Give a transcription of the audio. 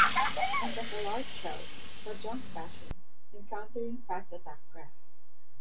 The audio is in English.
And as a 'large shell' for junk bashing and countering fast attack craft.